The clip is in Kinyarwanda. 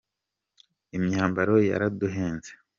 imyambaro yaraduhenze.